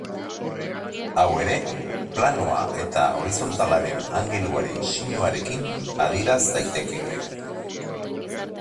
Hau ere planoa eta horizontalaren angeluaren sinuarekin adieraz daiteke.